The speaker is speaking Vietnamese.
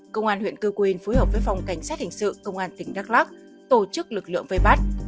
công an huyện cư quyên phối hợp với phòng cảnh sát hình sự công an tỉnh đắk lắc tổ chức lực lượng vây bắt